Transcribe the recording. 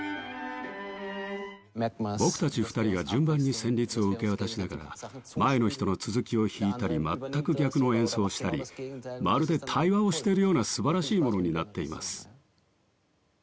僕たち２人が順番に旋律を受け渡しながら前の人の続きを弾いたり全く逆の演奏をしたりまるで対話をしているような素晴らしいものになっています。